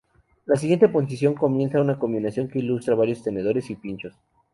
La siguiente posición comienza una combinación que ilustra varios tenedores y pinchos.